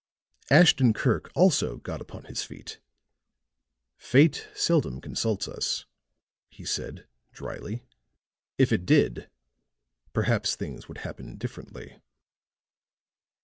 Ashton Kirk also got upon his feet. "Fate seldom consults us," he said, drily. "If it did, perhaps things would happen differently."